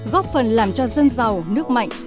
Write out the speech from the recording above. góp phần làm cho dân giàu nước mạnh